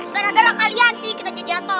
kalau ada lah kalian sih kita jadi jatuh